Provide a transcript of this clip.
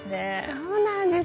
そうなんです。